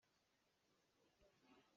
Sarthli a hrang.